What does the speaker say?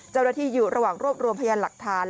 เจ้าหน้าที่อยู่ระหว่างรวบรวมพยานหลักฐาน